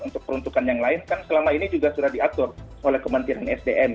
untuk peruntukan yang lain kan selama ini juga sudah diatur oleh kementerian sdm